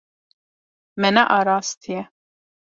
Me nearastiye.